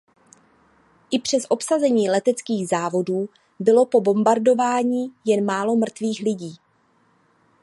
I přes obsazení leteckých závodů bylo po bombardování jen málo mrtvých lidí.